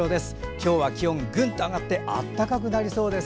今日は気温がぐんと上がって暖かくなりそうです。